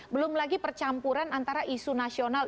belum lagi percampuran antara isu nasional